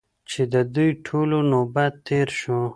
چې د دوی ټولو نوبت تېر شو.